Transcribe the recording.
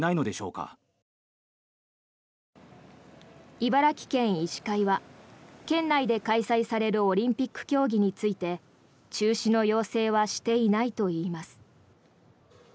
茨城県医師会は県内で開催されるオリンピック競技について中止の要請はしていないといいます。